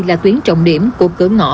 là tuyến trọng điểm của cửa ngõ